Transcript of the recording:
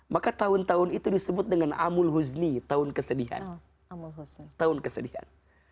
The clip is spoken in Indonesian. maka tahun tahun itu disebut dengan amul huzni tahun kesedihan